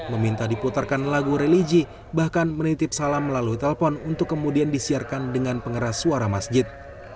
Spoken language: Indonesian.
meminta diputarkan lagu religi bahkan menitip salam melalui telpon untuk kemudian disiarkan dengan pengeras suara masjid